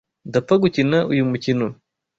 Ndapfa gukina uyu mukino.